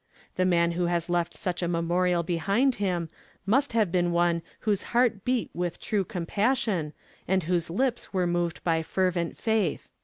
The man who has left such a memorial behind him must have been one whose heart beat with true compassion and whose lips were moved by fervent faith.